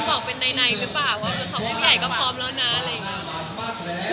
แล้วก็สองคนใหญ่ก็พร้อมแล้วนะ